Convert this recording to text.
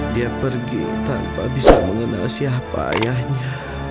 dia pergi tanpa bisa mengenal siapa ayahnya